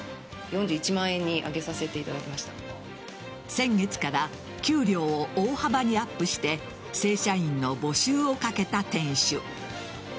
先月から給料を大幅にアップして正社員の募集をかけた店主。